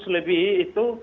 seratus lebih itu